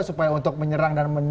supaya untuk menyerang